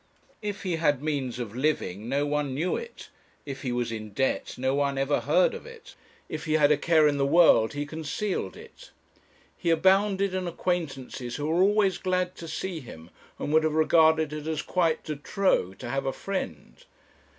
If he had means of living no one knew it; if he was in debt no one ever heard of it; if he had a care in the world he concealed it. He abounded in acquaintances who were always glad to see him, and would have regarded it as quite de trop to have a friend.